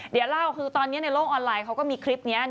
เดี๋ยวเล่าคือตอนนี้ในโลกออนไลน์เขาก็มีคลิปนี้